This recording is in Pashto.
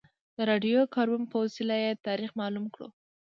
د راډیو کاربن په وسیله یې تاریخ معلوم کړو.